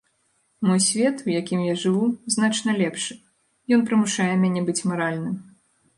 Мой свет, у якім я жыву, значна лепшы, ён прымушае мяне быць маральным.